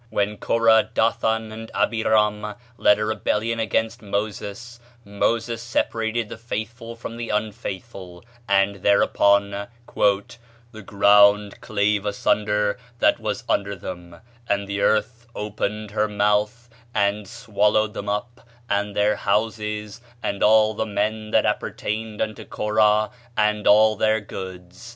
When Korah, Dathan, and Abiram led a rebellion against Moses, Moses separated the faithful from the unfaithful, and thereupon "the ground clave asunder that was under them: and the earth opened her mouth, and swallowed them up, and their houses, and all the men that appertained unto Korah, and all their goods....